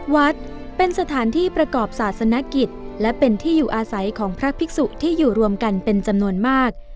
วัดเป็นสถานที่ประกอบศาสนกิจและเป็นที่อยู่อาศัยของพระภิกษุที่อยู่รวมกันเป็นจำนวนมาก